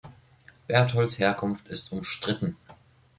Bertholds Herkunft ist umstritten.